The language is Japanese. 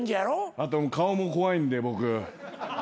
あと顔も怖いんで僕。